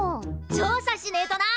調査しねえとな。